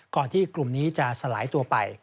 ที่กลุ่มนี้จะสลายตัวไป